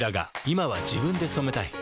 今は自分で染めたい。